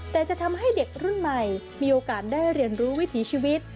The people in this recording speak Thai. แต่จะทำให้เด็กรุ่นใหม่มีโอกาสได้เรียนรู้วิถีชีวิต